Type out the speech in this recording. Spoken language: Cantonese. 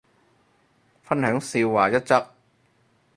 分享笑話一則